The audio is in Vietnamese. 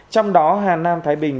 trong đó hà nam thái bình